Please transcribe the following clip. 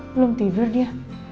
belum tidur dia